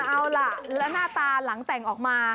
เอาล่ะแล้วหน้าตาหลังแต่งออกมา